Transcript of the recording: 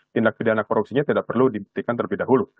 tindak pidana korupsinya tidak perlu dibuktikan terlebih dahulu